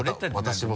私も。